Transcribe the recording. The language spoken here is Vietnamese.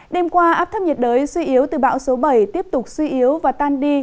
đêm qua áp thấp nhiệt đới suy yếu từ bão số bảy tiếp tục suy yếu và tan đi